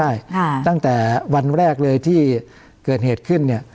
ใช่ค่ะตั้งแต่วันแรกเลยที่เกิดเหตุขึ้นเนี่ย